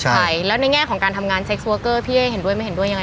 ใช่แล้วในแง่ของการทำงานเพื่อให้เห็นด้วยไม่เห็นด้วยยังไง